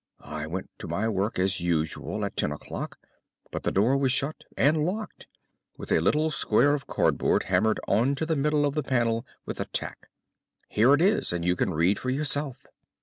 I went to my work as usual at ten o'clock, but the door was shut and locked, with a little square of cardboard hammered on to the middle of the panel with a tack. Here it is, and you can read for yourself."